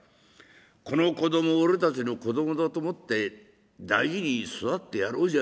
この子供を俺たちの子供だと思って大事に育ててやろうじゃねえか。